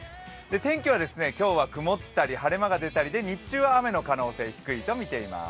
天気は今日は曇ったり、晴れ間が出たりで、日中は雨の可能性低いとみています。